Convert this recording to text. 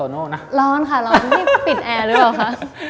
ร้อนค่ะโรงก็ยังเปรียบนะ